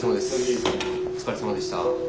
お疲れさまでした。